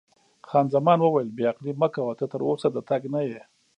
خان زمان وویل: بې عقلي مه کوه، ته تراوسه د تګ نه یې.